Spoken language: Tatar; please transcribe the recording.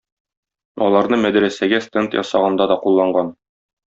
Аларны мәдрәсәгә стенд ясаганда да кулланган.